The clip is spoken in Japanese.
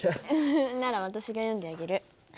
なら私が読んであげる。